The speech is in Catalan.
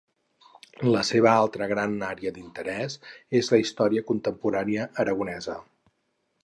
La seva altra gran àrea d'interès és la història contemporània aragonesa.